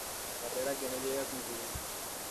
Carrera que no llega a concluir.